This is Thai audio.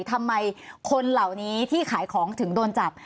ทำไมคนเหล่านี้ที่ขายของถึงโดนจับ